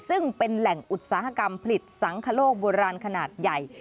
ซึ่งเป็นแหล่งอุตสาหกรรมผลิตสังคโลกโบราณขนาดใหญ่